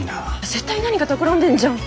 絶対何かたくらんでんじゃん。